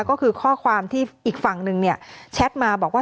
ก็คือข้อความที่อีกฝั่งหนึ่งเนี่ยแชทมาบอกว่า